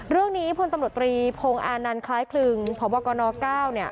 เรื่องนี้พลตำรวจตรีพงศ์อานันต์คล้ายคลึงพบกน๙เนี่ย